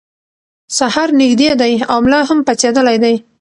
سهار نږدې دی او ملا هم پاڅېدلی دی.